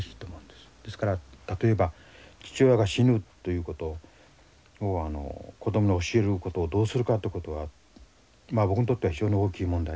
ですから例えば「父親が死ぬということを子どもに教えることをどうするか」ってことは僕にとっては非常に大きい問題です。